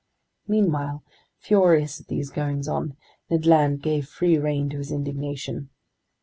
Meanwhile, furious at these goings on, Ned Land gave free rein to his indignation.